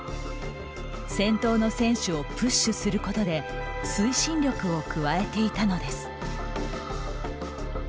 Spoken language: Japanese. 先頭の選手をプッシュすることで推進力を加えていたのです。